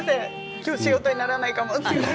今日仕事にならないかもしれない。